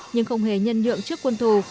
nhưng không hề nhân nhượng trước quân thù